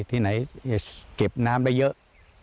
ที่ไหนเก็บน้ำได้เยอะ